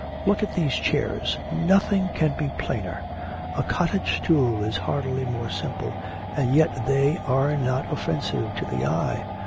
Look at these chairs, nothing can be plainer; a cottage stool is hardly more simple, and yet they are not offensive to the eye.